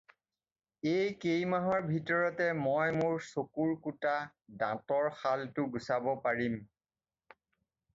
এই কেইমাহৰ ভিতৰতে মই মোৰ চকুৰ কুটা, দাঁতৰ শালটো গুচাব পাৰিম।